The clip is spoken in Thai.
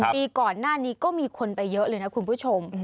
ปีก่อนหน้านี้ก็มีคนไปเยอะเลยนะคุณผู้ชม